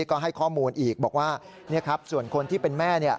ก็ให้ข้อมูลอีกบอกว่าส่วนคนที่เป็นแม่